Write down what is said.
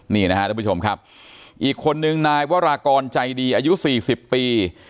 นี่นะครับทุกผู้ชมครับอีกคนนึงนายวรากรใจดีอายุ๔๐ปี